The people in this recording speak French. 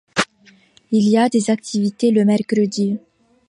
y a des activités le mercredi.